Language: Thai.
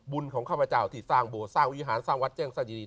บุญของข้าพเจ้าที่สร้างโบสถสร้างวิหารสร้างวัดแจ้งสดี